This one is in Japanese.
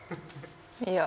いや。